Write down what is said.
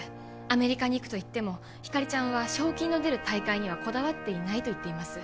アメリカに行くといってもひかりちゃんは賞金の出る大会にはこだわっていないと言っています